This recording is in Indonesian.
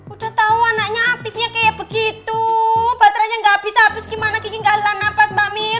udah tau anaknya aktifnya kayak begitu batranya nggak abis abis gimana kini nggak helah napas mbak mir